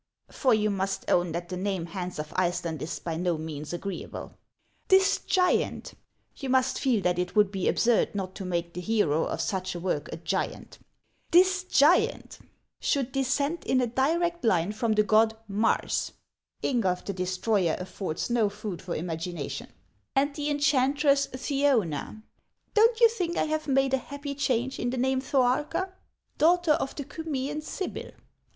For you must own that the name Hans of Ice land is by no means agreeable. This giant, — you must feel that it would be absurd not to make the hero of such a work a giant, — this giant should descend in a direct line from the god Mars (Ingulf the Destroyer affords no food for imagination) and the enchantress Theona, — don't you think I have made a happy change in the name Thoarka ?— daughter of the Cumean sibyl.